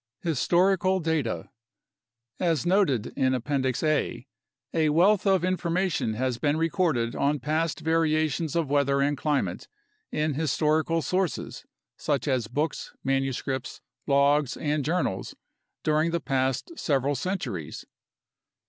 Historical Data As noted in Appendix A, a wealth of information has been recorded on past variations of weather and climate in historical sources such as books, manuscripts, logs, and journals during the past A NATIONAL CLIMATIC RESEARCH PROGRAM 69 several centuries.